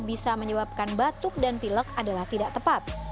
bisa menyebabkan batuk dan pilek adalah tidak tepat